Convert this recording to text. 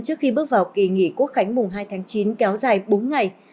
trước khi bước vào kỳ nghỉ quốc khánh mùng hai tháng chín kéo dài bốn ngày